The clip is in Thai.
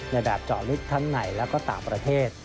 ในแบบเจาะลึกทั้งในและก็ต่างประเทศ